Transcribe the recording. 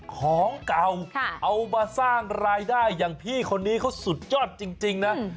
ของเก่าเอามาสร้างรายได้อย่างพี่คนนี้เขาสุดยอดจริงนะ